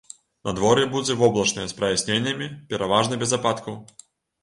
Надвор'е будзе воблачнае з праясненнямі, пераважна без ападкаў.